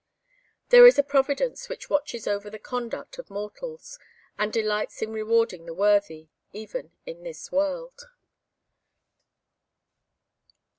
There is a Providence which watches over the conduct of mortals, and delights in rewarding the worthy, even in this world.